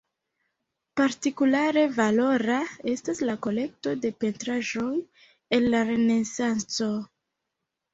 Partikulare valora, estas la kolekto de pentraĵoj el la Renesanco.